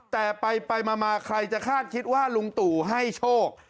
แต่ไปมาใครจะคาดคิดว่าลุงตู่ให้โชค